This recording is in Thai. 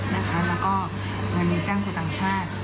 แล้วก็มีจ้างผู้ต่างชาติ